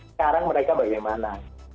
sekarang mereka bagaimana